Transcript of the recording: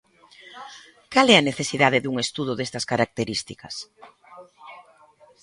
Cal é a necesidade dun estudo destas características?